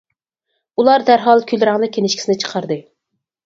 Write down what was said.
ئۇلار دەرھال كۈل رەڭلىك كىنىشكىسىنى چىقاردى.